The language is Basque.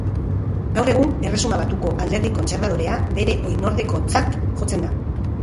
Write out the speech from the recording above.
Gaur egun, Erresuma Batuko Alderdi Kontserbadorea bere oinordekotzat jotzen da.